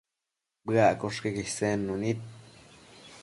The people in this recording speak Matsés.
Bëaccosh queque isednu nid